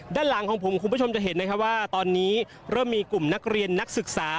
ด้านหลังของผมคุณผู้ชมจะเห็นนะครับว่าตอนนี้เริ่มมีกลุ่มนักเรียนนักศึกษา